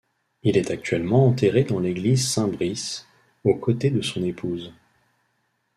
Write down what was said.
Il est actuellement enterré dans l'église Saint-Brice, aux-côtés de son épouse.